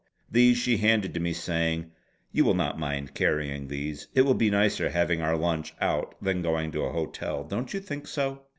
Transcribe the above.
These she handed to me saying: "You will not mind carrying these. It will be nicer having our lunch out than going to a hotel; don't you think so?"